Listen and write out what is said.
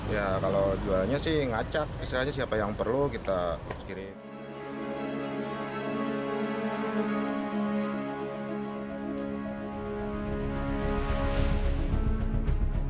ya kalau jualnya sih ngacak istilahnya siapa yang perlu kita kirim